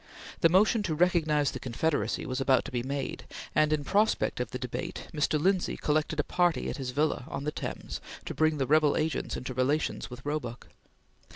The motion to recognize the Confederacy was about to be made, and, in prospect of the debate, Mr. Lindsay collected a party at his villa on the Thames to bring the rebel agents into relations with Roebuck.